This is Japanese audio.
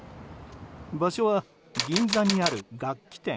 場所は銀座にある楽器店。